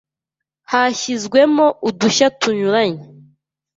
Hashyizwemo udushya tunyuranye